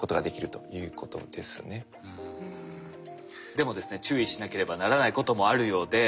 でもですね注意しなければならないこともあるようで。